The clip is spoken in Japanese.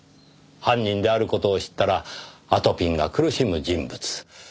犯人である事を知ったらあとぴんが苦しむ人物。